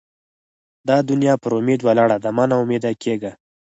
دا دونیا پر اُمید ولاړه ده؛ مه نااميده کېږئ!